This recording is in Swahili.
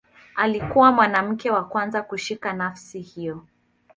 Alikuwa mwanamke wa kwanza kushika nafasi hiyo.